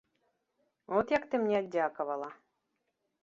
От як ты мне аддзякавала.